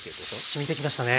しみてきましたね。